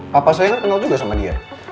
papa saya kan kenal juga sama dia